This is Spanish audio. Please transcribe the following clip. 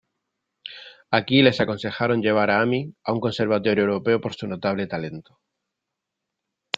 Aquí les aconsejaron llevar a Amy a un conservatorio europeo por su notable talento.